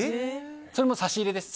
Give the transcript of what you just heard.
それも差し入れです。